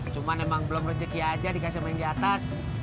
cuma memang belum rejeki aja dikasih mangga atas